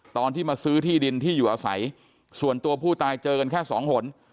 ตอนที่มาซื้อที่ดินที่อยู่อาศัยส่วนตัวผู้ตายเจอกันแค่สองหน